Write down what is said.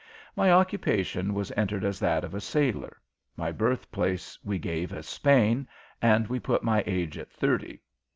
My occupation was entered as that of a sailor. My birthplace we gave as Spain, and we put my age at thirty.